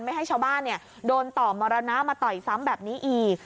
ไม่ให้ชาวบ้านโดนต่อมรณะมาต่อยซ้ำแบบนี้อีก